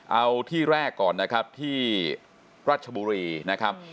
เอาที่แรกก่อนนะครับที่รัชบุรีนะครับ